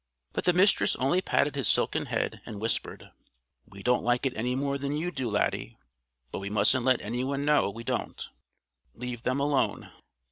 But the Mistress only patted his silken head and whispered: "We don't like it any more than you do, Laddie; but we mustn't let anyone know we don't. Leave them alone!"